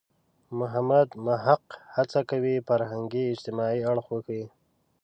محمد محق هڅه کوي فرهنګي – اجتماعي اړخ وښيي.